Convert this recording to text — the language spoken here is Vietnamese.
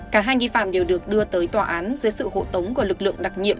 cả hai nghi phạm đều được đưa tới tòa án dưới sự hộ tống của lực lượng đặc nhiệm